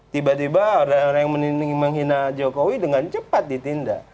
tiba tiba orang orang yang menghina jokowi dengan cepat ditindak